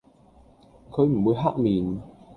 佢唔會黑面